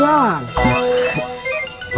laat niak isinya